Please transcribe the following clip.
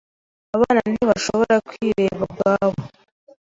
Abana ntibashobora kwireba ubwabo.